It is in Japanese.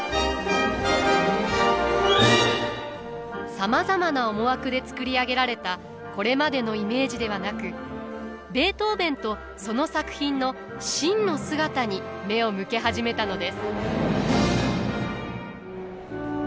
さまざまな思惑で作り上げられたこれまでのイメージではなくベートーヴェンとその作品の真の姿に目を向け始めたのです。